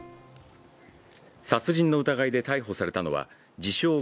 殺人の疑いで逮捕されたのは自称。